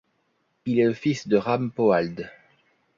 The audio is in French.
Il est le fils de Rampoald.